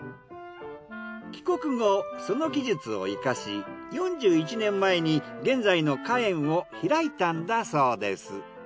帰国後その技術を生かし４１年前に現在の花園を開いたんだそうです。